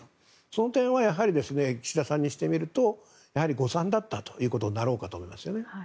その点はやはり岸田さんにしてみると誤算だったということになろうかと思いますよね。